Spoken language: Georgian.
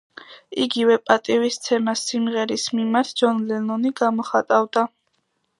იგივე პატივისცემას სიმღერის მიმართ ჯონ ლენონი გამოხატავდა.